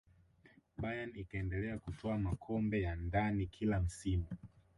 bayern ikaendelea kutwaa makombe ya ndani kila msimu